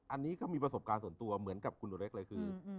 อันนี้ก็มีประสบการณ์ส่วนตัวเหมือนกับคุณอเล็กเลยคือ